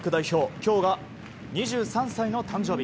今日が２３歳の誕生日。